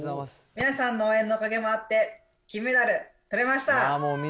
皆さんの応援のおかげもあって、金メダルとれました。